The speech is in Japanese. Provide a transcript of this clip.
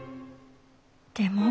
でも。